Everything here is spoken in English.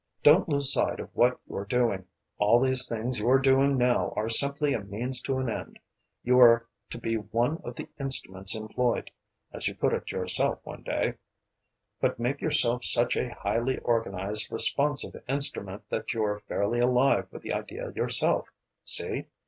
Don't lose sight of what you are doing. All these things you are doing now are simply a means to an end. You are to be one of the instruments employed as you put it yourself one day but make yourself such a highly organised, responsive instrument that you're fairly alive with the idea yourself. See?